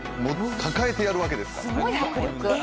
抱えてやるわけですからね。